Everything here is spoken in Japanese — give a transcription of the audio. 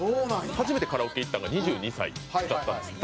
初めてカラオケ行ったのが２２歳だったんですよ。